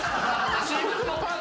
私服のパンツ。